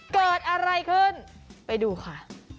เกิดอะไรขึ้นไปดูค่ะ